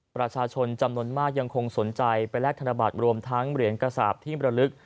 ประชาชนจำนวนมากยังคงสนใจไปแลกธนบัตรรวมทั้งเหรียญกระสาปที่มรลึก